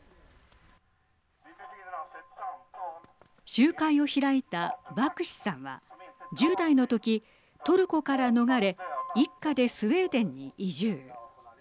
集会を開いたバクシさんは１０代の時、トルコから逃れ一家でスウェーデンに移住。